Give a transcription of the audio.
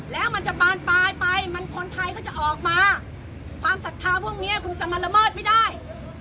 แล้วมันจะบานปลายไปมันคนไทยเขาจะออกมาความศรัทธาพวกนี้คุณจะมาละเมิดไม่ได้